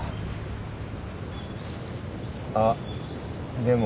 あっでも。